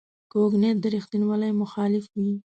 کوږ نیت د ریښتینولۍ مخالف وي